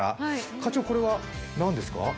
課長、これは何ですか？